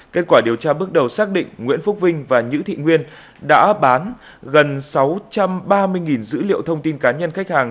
kết quả điều tra bước đầu xác định nguyễn phúc vinh và nhữ thị nguyên đã bán gần sáu trăm ba mươi dữ liệu thông tin cá nhân khách hàng